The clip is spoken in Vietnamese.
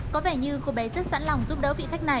có vẻ như cô bé rất sẵn lòng giúp đỡ vị khách này